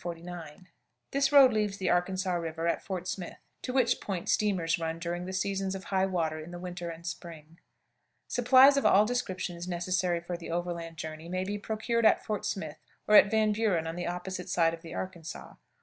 This road leaves the Arkansas River at Fort Smith, to which point steamers run during the seasons of high water in the winter and spring. Supplies of all descriptions necessary for the overland journey may be procured at Fort Smith, or at Van Buren on the opposite side of the Arkansas.